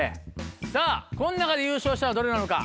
さぁこの中で優勝したのはどれなのか？